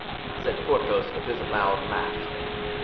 said Porthos, with his loud laugh.